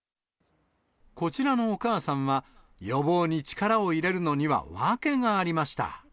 こちらのお母さんは、予防に力を入れるのには訳がありました。